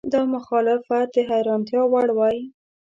دا مخالفت د حیرانتیا وړ وای.